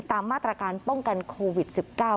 ตามมาตรการป้องกันโควิด๑๙